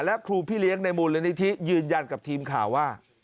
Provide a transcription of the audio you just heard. และครูพี่เลี้ยงในมูลนิธิยืนยันกับทีมข่าวว่า